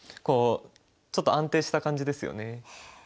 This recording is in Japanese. こうちょっと安定した感じですよね。